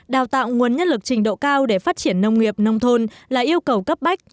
đào tạo nguồn nhân lực trình độ cao để phát triển nông nghiệp nông thôn là yêu cầu cấp bách